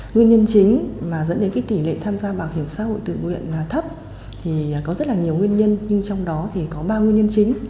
nguyên nhân chính mà dẫn đến tỷ lệ tham gia bảo hiểm xã hội tự nguyện thấp thì có rất là nhiều nguyên nhân nhưng trong đó thì có ba nguyên nhân chính